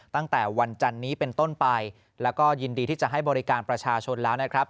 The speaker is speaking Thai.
ตั้งแต่วันจันนี้เป็นต้นไปแล้วก็ยินดีที่จะให้บริการประชาชนแล้วนะครับ